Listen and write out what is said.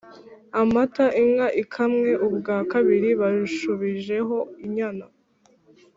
amata inka ikamwe ubwa kabiri bashubijeho inyana